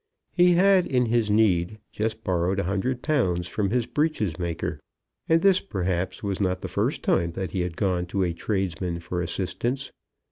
He had, in his need, just borrowed £100 from his breeches maker; and this perhaps was not the first time that he had gone to a tradesman for assistance.